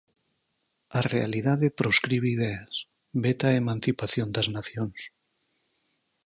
A realidade proscribe ideas, veta a emancipación das nacións.